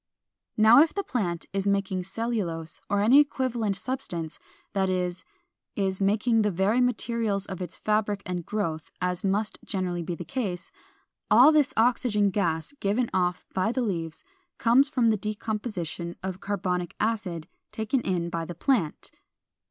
452. Now if the plant is making cellulose or any equivalent substance, that is, is making the very materials of its fabric and growth, as must generally be the case, all this oxygen gas given off by the leaves comes from the decomposition of carbonic acid taken in by the plant.